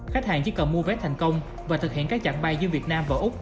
khách hàng chỉ cần mua vé thành công và thực hiện các chặng bay giữa việt nam và úc